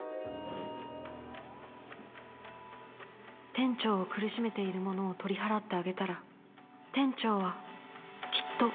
店長を苦しめているものを取り払ってあげたら店長はきっと